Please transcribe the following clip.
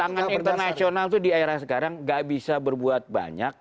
pangan internasional itu di era sekarang gak bisa berbuat banyak